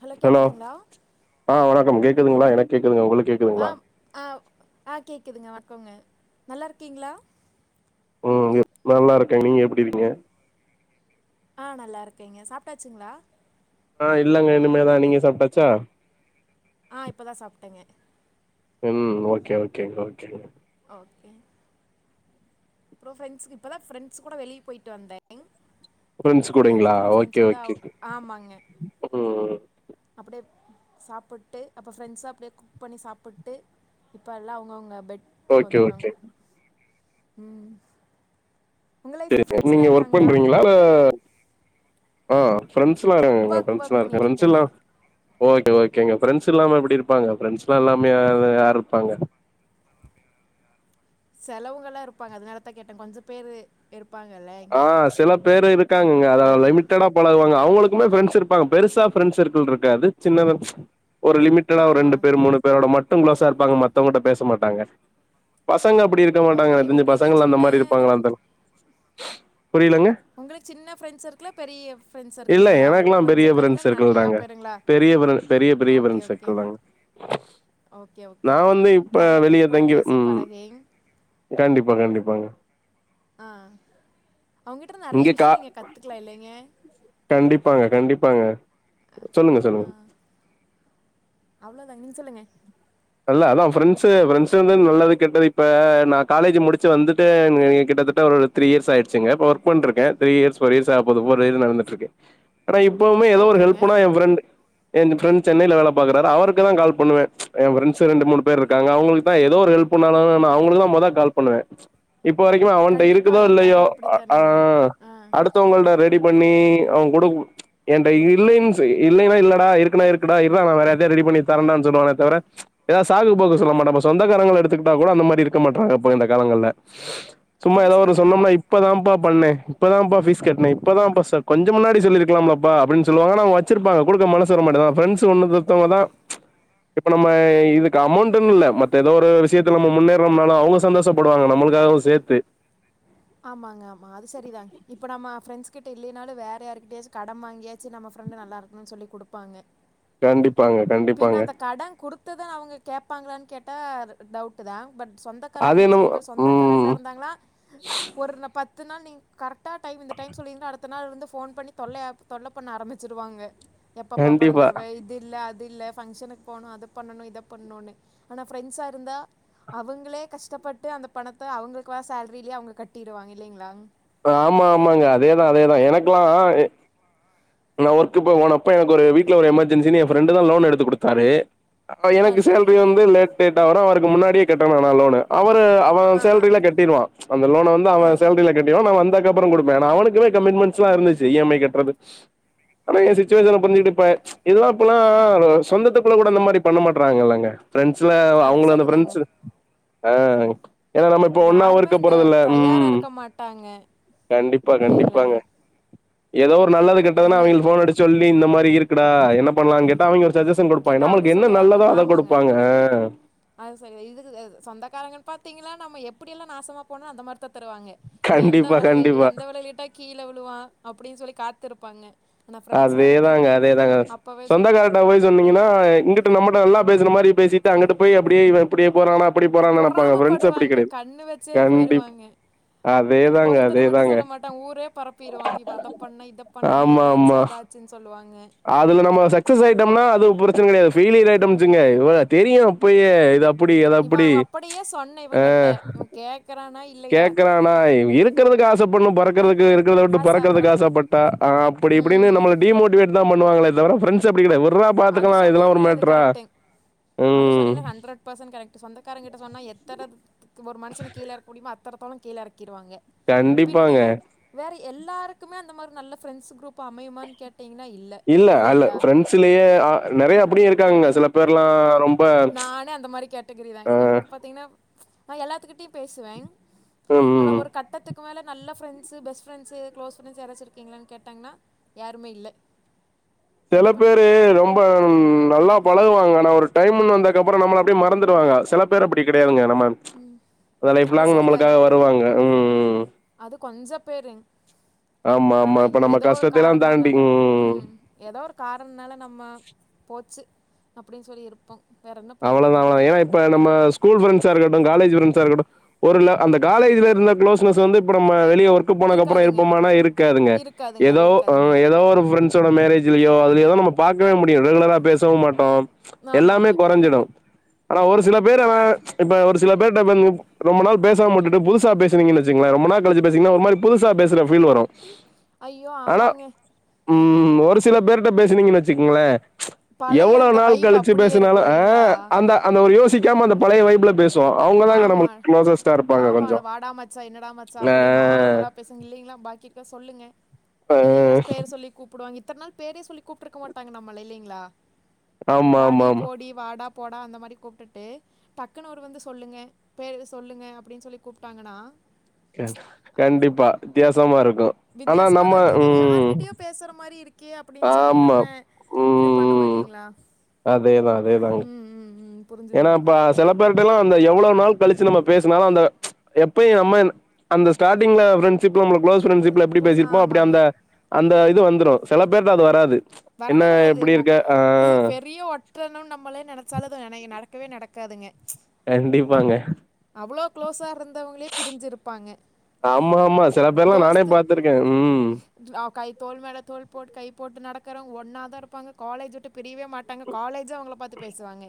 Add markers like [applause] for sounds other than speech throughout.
Hello கேக்குதுங்ளா கேக்குதுங்ளா எனக்கு கேக்குதுங்க உங்களுக் அ அ அ கேக்குதுங்க வணக்கோங்க நல்லா இருக்கீங்ளா ம் நல்லா இருக்கேங்க நீங்க எப்டி இருக்கீங்க அ நல்லா இருக்கேங்க சாப்ட்டாச்சுங்ளா அ இல்லங்க இனிமேதா நீங்க சாப்ட்டாச்சா அ இப்பதா சாப்ட்டேங்க ம் ஓகே ஓகேங் ஓகேங்க ஓகே அப்றோ ப்ரெண்ட்ஸ் இப்பதா ஃப்ரெண்ட்ஸ் கூட வெளிய போயிட்டு வந்தே ஃப்ரெண்ட்ஸ் கூடிங்ளா ஓகே அவு- ஓகேங்க ம் அப்டியே சாப்பிட்டு அப்றோ ஃப்ரெண்ட்ஸா அப்டியே குக் பண்ணி சாப்பிட்டு இப்ப எல்லா அவங்கவுங்க பெட் ஓகே ஓகே ம் உங்கள் செரி லைஃப்பில் செரி ஃப்ரெண்ட்ஸ் நீங்க எல்லாம் ஒர்க் இருக்காங்களா பண்றீங்ளா இல்ல அ ஃப்ரெண்ஸ்லா எங்க ஒர்க் ஒர்க் ஃப்ரெண்ஸ்லா இருக் பண்ணிகிட்ருக்கேங்க ஃப்ரெண்ஸ்ல்லா ஓகே ஓகே ஓகேங்க ஃப்ரெண்ட்ஸ் இல்லாம எப்டி இருப்பாங்க ஃப்ரெண்ட்ஸ்லா இல்லாமையா யார் இருப்பாங்க [unintelligible] செலவுங்கல்லா இருப்பாங்க அதனாலத்தா கேட்ட கொஞ்ச பேரு இருப் அ சில பேரு இருக்காங்க அத அது லிமிட்டடா பழகுவாங்க அவங்களுக்குமே ஃப்ரெண்ட்ஸ் இருப்பாங்க பெருசா ஃப்ரெண்ஸ் சர்க்கிள் இருக்காது சின்னதா ஒரு லிமிட்டடா ஒரு ஆமா. ரெண்டு பேர் மூணு பேரோட மட்டு க்ளோசா இருப்பாங்க மத்தவங்ட்ட பேச மாட்டாங்க பச பசங்க அப்டி இருக்க மாட்டாங்க ஓகே. எனக்கு தெரிஞ்சி உங்களுக்கு பசங்கலா அந்த மாரி சின்னதா? இருப்பாங்ளான்னு தெர்ல புரிலங்க உங்ளுக்கு சின்ன ஃப்ரெண்ட்ஸ் சர்க்குலா பெரிய ஃப்ரெண்ட்ஸ் இல்ல சர்க்குலுங்ளா எனக்குலா பெரிய கொஞ்ச பேருங்ளா ஃப்ரெண்ட்ஸ் இல்ல சர்க்கிள் நெறையா தாங்க பேருங்ளா பெரிய ஃப்ரெ பெரிய பெரிய ஃப்ரெண்ஸ் சர்க்குல்தாங்க ஓகே ஓகேங்க நெறைய பேர்த்து கூட தங்கி பேசி ம் பழகி கண்டிப்பா கண்டிப்பாங்க அ அவுங்ககிட்ட இருந்து நெறைய இங்க கா விஷியோ நீங்க கத்துக்லா இல்லிங்க ப்பாங்க சொல்லுங்க சொல்லுங்க அவ்ளோதாங் நீங்க சொல்லுங்க இல்ல அதா ஃப்ரெண்ட்ஸ்சு ஃப்ரெண்ட்ஸ் வந்து நல்லது கெட்டது இப்ப நா காலேஜி முடிச்சு வந்துட்டு நீ கிட்டத்தட்ட ஒரு த்ரீ இயர்ஸ் ஆயிடுச்சுங்க இப்ப ஒர்க் பண்ட்ருக்க த்ரீ இயர்ஸ் போர் இயர்சாக போது ஃபோர் இயர் நடந்திட்டிருக்கு ஆனா இப்பவுமே ஏதோ ஒரு ஓகேங்க. ஹெல்ப்புனா ஏ ஃப்ரெண்ட்டு ஏ ஃப்ரண்ட்ஸ் சென்னைல வேல பாக்ராரு அவருக்குதா கால் பண்ணுவ ஏ ஃப்ரெண்ட்ஸ்சு ரெண்டு மூணு பேர் இர்க்காங்க அவுங்ளுக்குதா ஏதோ ஒரு ஹெல்ப் புண்ணானு நா அவங்ளுக்குதா மொத கால் பண்ணுவே இப்ப வரைக்குமே அவன்ட கண்டிப்பா இருக்குதோ இல்லையோ எல்லாருமே அ அ அப்படித்தானேங்க. ஆ. அடுத்தவங்கள் ட ரெடி பண்ணி அவ குடுப் ச் என்ட இல்லைன்ஸ் இல்லைனா இல்லடா இருக்குனா இருக்குடா இர்ரா நா வேற யார்டையாது ரெடி பண்ணி தரேண்டான் சொல்லுவானே தவர ஏதா சாக்கு போக்கு சொல்ல மாட்டான்ப்ப சொந்த காரங்கல எடுத்துக்ட்டா கூட அந்த மாரி இருக்க மாட்றாங்க இப்ப இந்த காலங்கள்ல சும்மா அது ஏதா ஒன்னு சரிதாங்க. சொன்னம்னா இப்பதாப்பா பண்ணே இப்பதாப்பா பீஸ் கட்னே இப்பதாப்பா ஸ்ச கொஞ்ச முன்னாடி சொல்லிருக்கலாம்லப்பா அப்டினு சொல்வாங்க ஆனா வச்சிருப்பாங்க குடுக்க க மனசு வர மாட்டது ஆனா பிரெண்ட்ஸ்சு ஒண்ணுத்தத்தவங்கதா ச் இப்ப நம்ம இதுக்கு அமௌண்ட்னுல மத்த ஏதோ ஒரு விஷ்யத்த நம்ம முன்னேறம்னாலு அவுங்க சந்தோஷப்படுவாங்க நம்ம க்காகவு சேத்து ஆமாங்க ஆமா அது செரிதாங் இப்ப நம்ம ப்ரெண்ட்ஸ் கிட்ட இல்லேனாலு வேற யாருகிட்டையாச்சு கடம் வாங்கியாச்சு நம்ம ப்ரெண்டு நல்லாருக்குனு சொல்லி குடுப்பாங்க கண்டிப் பின்ன அந்த கட குடுத்ததா அவுங்க கேப்பாங்ளான் கேட்டா டவுட்டுதா பட் சொந்தக்காரங்க அது நீங்க என்னமோ சொன்ன மாரி சொந்தக்காரங்ளா ம் இருந்தாங்ளா ஒரு ர பத்து நாள் நீங் கரெட்டா டைம் இந்த டைம் சொல்லீங்னா அடுத்த நாள் வந்து ஃபோன் பண்ணி தொல்லையாப் தொல்ல பண்ண ஆரம்மிச்சுடுவாங்க எப்ப பா பணந் கண்டிப்பா. தருவ இது இல்ல அது அது இல்ல பங்கஷனுக் போனு அத பண்ணணு இத பண்ணுனு ஆனா பிரெண்ட்ஸா இருந்தா அவங்களே கஷ்டப் பட்டு அந்த பணத்த அவங்ளுக்கு வர சேல்ரிலியே அவுங்க கட்டிடுவாங்க இல்லைங்ளா ஆமா ஆமாங்க அதேதா அதேதா எனக்லா நா ஒர்க்கு போ போனப்ப எனக்கு ஒரு வீட்ல ஒரு எமர்ஜென்சின் எ ஃப்ரெண்டு தா லோன் எடுத்து குடுத்தாரு ஆ எனக்கு சரிங்க சேல்ரி வந்து லேட் லேட்டா வரு அவருக்கு முன்னாடியே கட்டனானு நா லோனு அவ ப்ப அவ ஆ ஆ சேல்ரில கட்டிருவா ச் அந்த லோன வந்து ஆ அவ ஆ சேல்ரில கட்டிருவா நா வந்தாட் க்கப்றோ கொடுப்பே நா அவனுக்கு கமிட்மெண்ட்ஸ்லா இருந்துச்சு ஈ எம் ஐ கட்றது ஆனா என் சுச்சுவேஷன புரிஞ்சுக்கிட்டு இப்ப ப்ச் இதுல இப்பெல்லா சொந்தத்துக்குள்ள கூட இந்த மாதிரி பண்ண மாட்றாங்கல்லங்க ஃப்ரெண்ட்ஸ்ல அது அவங்களு அந்த சரிதாங்க ஃப்ரெண்ட்ஸ் ஆஹ் ஏன்னா நம்ம இப்ப ஒன்னா யாருமே இருக்கு அந்த போறது இல்லை தயாரா ம் இருக்க மாட்டாங்க கண்டிப்பா இல்லைங்களாங் கண்டிப்பாங்க ஏதோ ஒரு நல்லது கெட்டதுனா நம்ம அவங்களுக்கு போன் அடிச்சு சொல்லி இந்த மாரி இருக்குடா என்ன பண்ணலானு கேட்டா அவங்க ஒரு சஜஷன் குடுப்பாங்கே கேட்டா அவங்க நம்மளுக்கு என்ன சொல்லுவாங்க நல்லதோ அத ஆமாங்க குடுப்பாங்க அது செரி இதுக் சொந்தக்காரங்க பாத்தீங்கன்னா நம்ம எப்டி எல்லா நாசமா போணு அந்த மாரிதா தருவாங்க இவ எந்த கண்டிப்பா வலைய கண்டிப்பா எந்த வலையலிட்டா கீழ விழுவா அப்டின்னு சொல்லி காத்திருப்பாங்க ஆனா ஃப்ரெண்ட்ஸா அதே தாங்க இருந்தாங்கன்னா அதே தாங்க அப்பவே சொல்லுவாங்க சொந்தகாரண்ட போய் சொன்னீங்கனா இங்குட்டு நம்ம நல்லாப் பேசிற மாரி பேசிட்டு அங்குட்டு போய் அப்டியே இவ இப்டியே போறானா அப்டி போறான்னு நெனப்பாங்க பொறாம ஃப்ரெண்ட்ஸ் அப்டி படுவாங்க கெடையாது கண்ணு வச்சே கண்டிப் போயிருவாங்க அதேதாங்க ஒருத்தர மட்டு அதேதாங்க சொல்ல மாட்டே ஊரே பரப்பிருவாங்க இ அத பண்ண இத பண்ணுன ஆமா இத சோ ஆமா அதாச்சுனு சொல்லுவா அதுல நம்ம சக்சஸ் ஆயிட்டோம்னா அது பிரச்சன கெடையாது ஃபெய்லியர் அயிட்டோம் வச்சுகங்க அ தெரியு அப்பயே இது இப்டி எது இவன் அப்டி அவங்க ச் அப்படியே சொன்னேன் இவங்கிட்ட அஹ் இவன் கேக்குறானா இல்லையா கேக்றானா இருக்கிறத து ஆசைப்படணு பறக்கறதுக்கு இருக்கறத விட்டு காசு பறக்கறதுக்கு சாப்பிடக்கூடாது ஆசப்பட்டா அப்டி இப்டின்னு ம் நம்மள டிமோட்டிவேட் பண்ணுவாங்களே தவிர ஃப்ரண்டஸ் அப்டி கெடையாது விட்ரா அது பாத்துக்கலாம் இதுலா ஒரு சொன்னீங்களே அது மேட்ரா கரெக்ட்டு அது ம். சொன்னீங்கனா ஹண்றடு ஃபர்சன்ட் கரெக்ட் சொந்தக்காரங்க கிட்ட சொன்னா எத்த ஒரு மனுஷன கீழறக்க முடியுமா அத்தனதோலோ கீழ இறக்கிடுவாங்க பின்ன கண்டிப்பாங்க. வேற எ எல்லாருக்குமே அந்த மாரி நல்ல ஃப்ரண்ட்ஸ் குரூப் அமையுமான்னு கேட் இல்ல அல்ல ஃப்ரெண்ட்ஸ்லேயே நெறைய அப்டியே இருக்காங்க சில பேர்லா ரொம் நானே அந்த மாரி கேட்டகிரி தாங்க எனக்கு பாத்தீங்கன்னா நா எல்லாத்துக்கிட்டயு பேசுவே ம். ஆனா ம். ஒரு கட்டத்துக் க்கு மேல நல்ல friends best friends close friends யாராச்சு இருக்கீங்களான்னு கேட்டாங்னா யாருமே இல்ல [inaudible] என்ன சில பேரு பண்றது ரொம்ப நல்லா பழகுவாங்க ஒரு டைம்னு வந்ததுக்கு அப்புறம் நம்மள அப்டியே மறந்துடுவாங்க சில பேர் அப்படி கெடையாதுங்க நம்ப ப்ச் லைப் அது லாங் சரிதான் நம்மளுக்காக வருவாங்க உம்ம் அது கொஞ்சப் பேரு ஆமா, ஆனா ஆமா. இப்ப நம்ம எதோ ஒரு கஷ்டத்தைலாம் தாண்டி காரணனால ம். உம் எதோ ஒரு கார ணம்னால நம்ம போச்சு அப்டின்னு சொல்லி இருப்போ அவ்ளதான்ங்க ஏன் இப்ப நம்ம ஸ்கூல் ஃப்ரண்ட்ஸா இருக்கட்டும் காலேஜ் ஃப்ரெண் ச இருக்கட்டும் ஒரு லெ அந்த காலேஜ்ல இருந்த குளோஸ்னஸ் வந்து இப்ப நம்ம வெளியே ஒர்க் போனக் அப்புறம் இருக்காதுங்க இருப்போமானா இருக்காதுங்க இருக்காதுங்க ஏதோ அது இருக்காதுங்க ஹ் ஏதோ ஒரு பிரண்ட்ஸோட மேரேஜ்லயோ அது ஏதோ நம்ம பாக்கவே முடியாத் ரெகுலரா பேசவு மாட்டோ எல்லாமே ஆமாங்க கொறஞ்சிடு ஆனா ஒரு சில பேர் அவ ப்ச் இப்ப ஒரு சில பேர்ட ப்ப ரொம்ப நாள் பேசாம விட்டுட்டு புதுசா பேசுனீங்கனு வச்சுக் ரொம்ப நாள் கழிச்சு பேசுனிங்கனா ஒரு மாரி புதுசா பேசுற ஃபீல் வரு ஐயோ ஆமாங்க உம் ஒரு சில பேர்கிட்ட பேசுனீங்கன்னு வச்சுக்கோங்ளே பழைய அந்த வைப் அப்டியே இருக் அஹ் அந்த அந்த ஒரு யோசிக்காம அந்த பழைய வைப்ல பேசுவோ அவங்கதாங்க ஆமா நம்மளுக்கு க்ளோசஸ்ட்டா இருப்பாங்க ஆமாட கொஞ்சோ வாடாமச்சா என்னடா மச்சா ஆ அப்டி நார்மலா பேசுங்க இல்லைங்ளா பாக்கிக்க சொல்லுங்க ஆ இல்லிங்க பேர சொல்லி கூப்பிடுவாங்க இத்தன் நாள் பேரே சொல்லி கூப்ட்ருக்க மாட்டாங்க நம்மள இல்லிங்களா ஆமா வாடி ஆமா ஆமா போடி வாடா போடா அந்த மாரி கூப்டுட்டு டக்குன்னு ஒரு வந்து சொல்லுங்க பேர் இது சொல்லுங்க அப்டின்னு சொல்லி கூப்டாங்கன்னா கண்டிப்பா வித்தியாசமா இருக் வித்தியாசமா தா இருக்கது யார்கிட்டயோ பேசுற மாரி இருக் கே அப்டின்னு சொல்லி ஆமா நம்ம இது பண்ணுவோ இல்லிங்ளா தா அதேதாங்க ஏன்னா இப்ப சில பேரிட்ட எல்லா அந்த எவ்ளோ நாள் கழிச்சி நம்ம பேசுனாலு அந்த எப்பய நம்ம அந்த ஸ்டார்ட்டிங்ல பிரெண்ட்ஷிப் ம் குளோஸ் பிரண்ட்ஷிப்ல எப்டி பேசிருப்போ அடி ஆமாங்க அந்த அந்த இது வந்துரு சில பேர்ட அது வராது என்ன வரவே வராது எப்டி ஓ இருக்க ஆ பெரிய ஒற்றனும் நம்மளே நெனைச்சாலும் நென நட க்கவே நடக்காதுங்க கண்டிப்பாங்க அவ்ளோ க்ளோஸா இருந்தவங்களே பிரிஞ்சிருப்பாங்க ஆமா ஆமா சில பேர்ல்லா நானே தோஸ்து பாத்துருக்கே உம் கை தோல் மேல தோல் போட்டு கை போட்டு நடக்கறவங்க ஒன்னாதா இருப்பாங்க காலேஜ் விட்டு பிரியவே மாட்டாங்க காலேஜு அவங்கள பாத்து பேசுவாங்க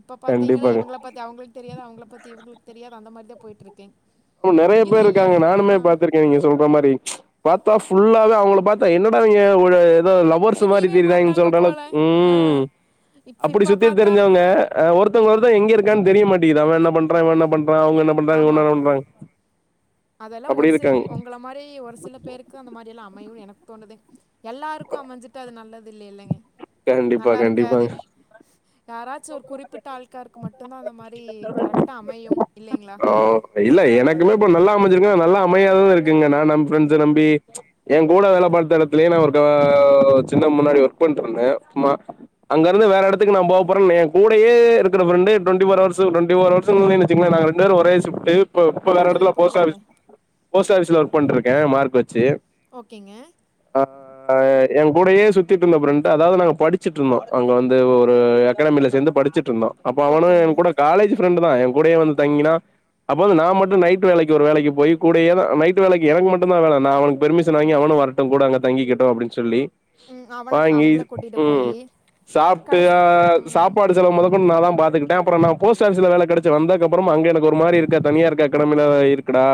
இப்ப பாத்தீங்கன்னா கண்டிப்பாங்க. இவங்கள பத்தி அவங்களுக்கு தெரியாது அவங்கள பத்தி இவங்களுக்கு தெரியாது அந்த மாதிரிதா போயிட்டு இருக்கு நெறைய பேரு இருக்காங்க நானுமே பாத்துருக்கேன நீங்க சொல்ற மாரி பாத் தா ஃபுல்லாவே அவங்கள பாத்தா என்னடா இவங்க ஒரு அத லவ்ர்ஸ் மாரி பிரியவே திரியுறாங்க மாட்டாங்க சொல்ற போல் அளவுக்கு ஆ உம் இப்போ அப்டி இப்போ சுத்தி பார்த்தா தெரிஞ்சவங்க ஒருத்தவங்க ஒருத் த எங்க இருக்கான்னு தெரிய மாட்டிங்து அவ என்ன பண்றான் இவ என்ன பண்றான் அவுங்க என்ன பண்றா ஒன்னோட ஒன்னா அதெல்லா ஒரு சிலவ உங்கள மாரி ஒரு சில பேருக்கு அந்த மாரி எல்லாம் அ மையு எனக்கு தோணது எல்லாருக்கு அமைஞ்சிட்டு அது நல்லது இல்ல இல்லேங்க கண்டிப்பா கண்டிப்பாங்க யாராச்சு ஒரு குறிப்பிட்ட ஆள்காருக்கு மட்டுந்தா அந்த மாரி கரெக்ட்டா அமையும் இல்லைங்ளா ஆ இல்ல எனக்குமே இப்ப நல்லா அமைச்சிருக்கு நல்லா அமையாதாது இருக்குங்க நா நம் பிரெண்டஸ நம்பி என் கூட பாத்த இடத்திலே நா ஒருத்த சின்ன முன்னாடி ஒர்க் பண்ணிட்டுருந்தே சும்மா அங்க இருந்து வேற இடத்துக்கு நா போ றயிலே என் கூடயே இருக்கிற பிரண்ட்டு டுவெண்ட்டி போர் ஹௌர்ஸ் ம் டுவெண்ட்டி போர் ஹௌர்ஸ்ன்னு வச்சுக்கோங்களே நாங்க ரெண்டுபேரு ஒரே ஷிப்ட்டு இப்ப வேற எடத்துல புரிஞ்சுதுங்க போஸ்ட் புரிஞ்சுதுங்க ஆஸ் போஸ்ட் ஆபீஸ்ல ஒர்க் பண்ட்ருக் கே மார்க் வெச்சி ஓகேங்க ஆஹ் ஆஹ் எங் கூடயே சுத்திட்டு இருந்த பிரண்ட்டு அதாவது அங்க நாங்க படுச்சுட்டு இருந்தோ அங்க வந்து ஒரு அகாடமில சேர்ந்து படிச்சுட்டு இருந்தோ அப்போ அவனு ஓகேங்க என் கூட காலேஜ் ஃப்ரெண்டுதா என் கூடயே வந்து தங்கினா அப்ப வந்து நா மட்டு நைட் வேலைக்கு ஒரு வேலைக்கு போய் கூடயே நைட் வேலைக்கு எனக்கு மட்டுதா வேல நா அவனுக்கு பெர்மிஷன் வாங்கி அவ வரட்டு கூட அங்க தங்கிக்கட்டு அப்படின் சொல்லி ம் அவன வாங்கி அவங்கள கூட்டிட்டு ம் போயி சாப்ட்டு கடைசி அ ம் சாப்பாடு செலவு மொத கொண்டு நா தா பாத் அதுக்கு தா அப்பற நா போஸ்ட் ஆபிஸ்ல வேல கெடச்சு வந்தகப்புற அங்க எனக்கு ஒரு மாரி தனியா இருக்க அகாடமில இருக்குடா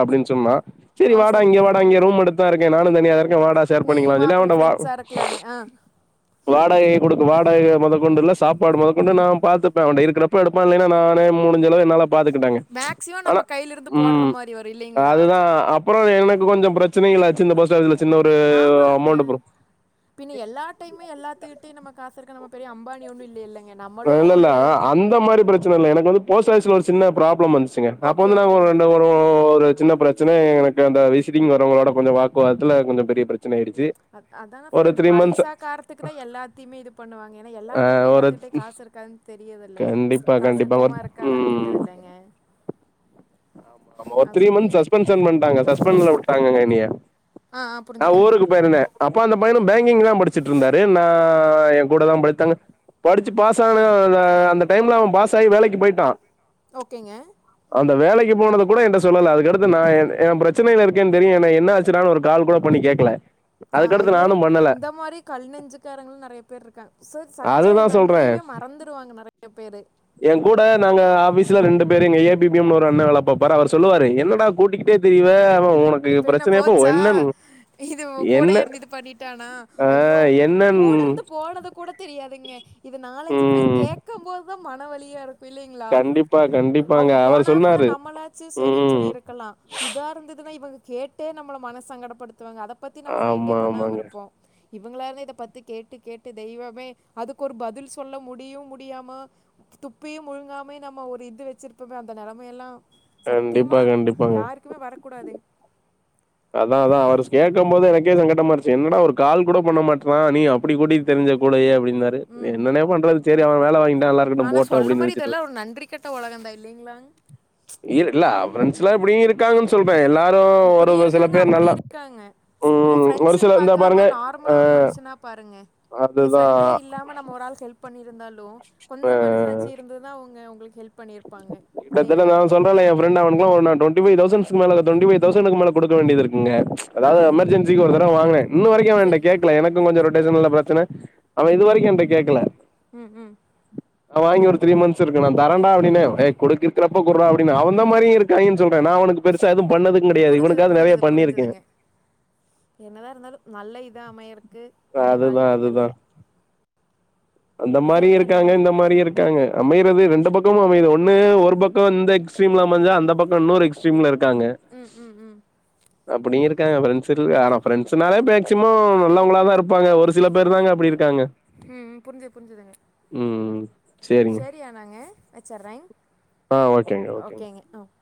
செரி ஆ வாடா இங்கே சரிங்க வாடா இங்க ரூம் எடுத்தா இருக்கே நானு தனியா வாடா சேர் நீ பண்ணிக்கலா சொல்லி அப்படி அவன்ட வா ஃப்ரெண்ட்ஸா இருக்கலான்னு ஆ வாடகை குடுக்கு வாடகை மொத கொண்டுல்ல சாப் மொத கொண்டு நா பாத்துப்ப அவன்ட இருக்கிறப்ப எடுப்ப இல்ல நானே முடிஞ்ச அளவு என்னால பாத்துக்கிட்டாங்க மேக்சிமம் நம்ம ஆனா கையிலிருந்து போடுற ம் மாரி வரு இல்லைங்களா அதுதா அப் அப்புற எனக்கு கொஞ்சோ பிரச்சனைகளாச்சு இந்த போஸ்ட் ஆபிஸ்ல ஆமாங்க பின்ன எல்லா டைமே எல்லாத்துக்கிட்டயு நம்ம காசு இருக்க நம பெரிய அம்பானி ஒன்னு இல்லல இல்லல்ல அந்த மாரி பிரச்சனை இல்ல எனக்கு வந்து போஸ்ட் ஆபிஸ்ல ஒரு சின்ன ப்ராப்ளம் வந்துச்சு ச்சுங்க அப்ப ஓகே வந்து நாங்க ஓகே ரெண்டு ஒரு சின்ன பிரச்சனை எனக்கு அந்த விசிட்டிங் வரவங்களோட கொஞ்சோ வாக்குவாதத்தில கொஞ்சோ பெரிய பிரச் அதான சொல்றே இந்த பைசா காரணத்துக்கு தா எல்லாத்தையுமே இது பண்ணுவாங்க ஏன்னா எல்லா ஆ டைமே ஒரு எல்லாத்துட்டயு காசு இருக்காதுன் தெரியதில்ல கண்டிப்பா காசு கண்டிப்பா ஒரு இருக்கோமா இருக்காதா ம் தெரியாதுல்லங்க ஒரு த்ரீ மந்த் சஸ்பென்ஷன் பண்ணிட்டாங்க சஸ்பென்ல உட்டாங்கங்க என்னய ஆ ஆ நா புரிஞ்சுதுங்க ஊருக்கு போயிருந்தே அப்ப அந்த பயனு பேங்கிங்தா படிச்சுட் இருந்தாரு நா எ கூட தா படித்தாங்க படிச்சு பாஸ் ஆனா அந்த டைம்ல அவன் பாஸ் ஆயி வேலைக்கு போய்ட்டா ஓகேங்க வேலைக்கு போனது கூட ஏன்ட சொல்லல அதுக்கடுத்து நான் ஏ பிரச்சனைள இருக்கேன் தெரியு என்னாச்சுனாளு ஒரு கால் கூட பண்ணி கேக்கல ஆ அதுக்கடுத்து ஐயோ நானு பண்ணல இந்த மாரி கல் நெஞ்சுக்காரங்களு நெறய பேர் இருக்காங்க சோ சஞ்ச அதுதா சொல்றே நன்றியவே மறந்துருவாங்க நெறய பேரு எ கூட நாங்க ஆபீ ரெண்டு பேரு எங்க ஏபி பி எம் னு ஒரு அண்ண வேல பாப்பார் அவர் சொல்லுவாரு என்னடா கூட்டிக்கிட்டே திரீவ இப்ப என்ன போச்சா இதுவு என்ன கூடயே இருந்து இது பண்ணிடானா ஐயோ என்னன் கூட இருந்து போனத கூட தெரியாதுங்க இது நாலஞ்சு பேர் ம் கேட்க போதுதா மன வலியா இருக்கு இல்லைங்களா கண்டிப்பா கண்டிப்பாங்க அவங்க அவர் போனா கூட சொன்னாரு நம்மளாச்சு சரின் ம் சொல்லி இருக்கலா இதா இருந்து இவங்க கேட்டே நம்மள மன சங்கடப்படுத்துவாங்க அத பத்தி நம்ம மைண்டே ஆமா பண்ணாம ஆமாங்க இருப்போ இவங்களால இத பத்தி கேட்டு கேட்டு தெய்வமே அதுக்கு ஒரு பதில் சொல்ல முடியு முடியாம துப்பியு முழுங்காமயு நம்ம ஒரு இது வச்சிருப்போமே அந்த நெலமயெல்லா சத்தியமா கண்டிப்பா கண்டிப்பாங்க யாருக்குமே வரக்கூடாதுங் அதா அதா அவர் கேக்க போது எனக்கே சங்கட்டமா இருச்சு என்னடா ஒரு கால் கூட பண்ண மாற்றா நீ அப்படி கூட்டிகிட்டு திரிஞ்ச ங்க கூடயே அப்படி இருந்தாரு வேற ம் என்னண்ணே பண்றது சரி அவர் வேல வாங்கி ஆனா சொல்ற மாரி இதெல்லா ஒரு நன்றி கெட்ட உலகந்தா இல்லைங்களா இல்ல ஃபிரண்ட்ஸ்லா இப்டி இருக்காங்கன் சொல்றே எல்லா இப்படியு இருக்காங்க அப்படியு இருக்காங்க நீ ம் ஒரு ஃபிரண்ட்ஸ்ன் சில இந்த பாக்காம பாருங்க ஆ நார்மலா ஒரு மனுஷனா பார் பாருங்க இது அதுதா ஃபிரண்டே இல்லாம நம்ம ஒரு ஆள் ஹெல்ப் பண்ணிருந்தாலு கொஞ்சோ மனசாச்சி இருந்துதா அவங்க உங்களுக்கு ஹெல்ப் பண்ணியிருப்பாங்க கிட்டதட்ட நா இல்லைங்களாங் சொல்றனே என் ஃபிரண்டு அவனுக்கல்லா ஒரு டுவெண்ட்டி ஃபைவ் தௌசன் ரூம் வாடக டுவெண்ட்டி ஃபைவ் தௌசனுக்கு மேல குடுக்க வேண்டியதுருக்கு ங்க ஆ அதாவது எமர்ஜென்சிக்கு ஒரு தடவ வாங்க இன்ன வரைக்கு அவன் என்ட்ட சரி கேக்கல எனக்கு கொஞ்சோ ரோட் [unintelligible] பிரச்சனை அவ இது வரைக்கு என்ட்ட கேக்கல ம் ம் வாங்கி ஒரு த்ரீ மந்த்ஸ் இருக்கு நா தரண்டா அப்படின்னே ஏ குடு இருக்குறப்ப குடுறா அப்படின் அந்த மாரியு இருக்காய்ங்க சொல்ற நா அவனுக்கு பெருசா எதுவு பண்ணதுக்கு கெடயாது இவனுக்காவது நெறய பண்ணிருக்கே என்னதா இருந்தாலு நல்ல இதா அமையருக்கு இனி அதுதா அதுதா வாழ்த்துக்கள்ங்க அந்த சரி மாரியு இருக்காங்க அண்ணாங்க இந்த மாரியு இருக்காங்க அமையறது ரெண்டு பக் கமு அமையுது ஒன்னு ஒரு பக்கோ இந்த எக்ஸ்ட்ரீம்ல அமசா அந்த பக்கோ இன்னோரு எக்ஸ்ட்ரீம்ல இருக் காங்க ம் ம் ம் அப்டி இருக் காங்க ஃபிரெண்ட்ஸ் ஆனா பிரெண்ட்ஸ்னாலே மேக்சிமம் நல்லவங்கள தா இருப்பாங்க ஒரு சில பேர் தாங்க அப்டி இருக் உஹம் புரிஞ்சுது புரிஞ்சுதுங்க ம் உம் சேரிங்க சரியானாங்க வச்சர்றே ஆ ஓகேங்க ஓகேங்க ஓகே